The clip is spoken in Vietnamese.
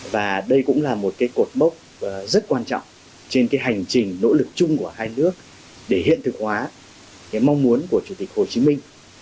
và đây cũng là một cột bốc rất quan trọng trên hành trình nỗ lực chung của hai nước để hiện thực hóa mong muốn của chủ tịch hồ chí minh